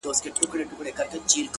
د مغفرت سپين غمي چا ولرل .!